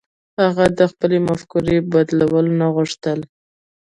هغه د خپلې مفکورې بدلول نه غوښتل.